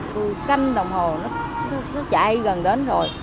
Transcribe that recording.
tôi canh đồng hồ nó chạy gần đến rồi